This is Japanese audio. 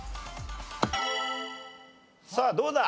さあどうだ？